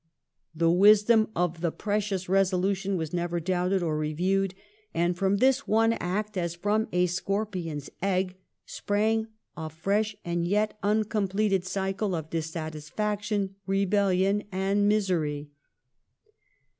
The wisdom of the precious resolution was never doubted or reviewed ; and from this one act as from a scorpion's egg sprang a fresh and yet uncompleted cycle of disaffection, rebellion, and misery.'